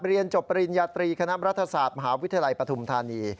เรียนจบปริญญาตรีคณะรัฐศาสตร์มหาวิทยาลัยปฐุมธานี